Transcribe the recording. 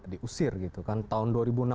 diusir tahun dua ribu enam belas